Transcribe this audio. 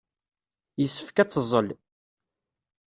Yessefk ad teẓẓel.